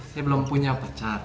saya belum punya pacar